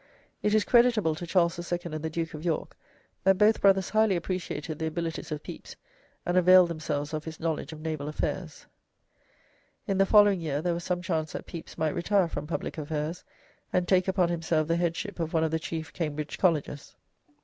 It is creditable to Charles II. and the Duke of York that both brothers highly appreciated the abilities of Pepys, and availed themselves of his knowledge of naval affairs. In the following year there was some chance that Pepys might retire from public affairs, and take upon himself the headship of one of the chief Cambridge colleges.